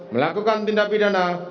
melakukan tindak pidana